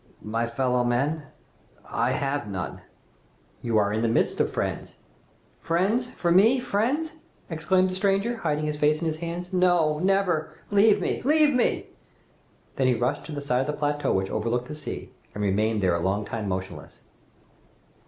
"My fellow men!.... I have none!" "You are in the midst of friends." "Friends! for me! friends!" exclaimed the stranger, hiding his face in his hands. "No never leave me! leave me!" Then he rushed to the side of the plateau which overlooked the sea, and remained there a long time motionless.